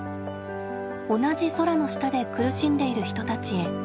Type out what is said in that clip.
同じ空の下で苦しんでいる人たちへ。